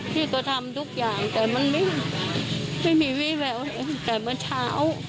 พี่ก็ทำทุกอย่างแต่มันไม่มีวิแววแต่เมื่อเช้า